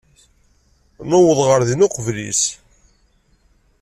Nuweḍ ɣer din uqbel-is.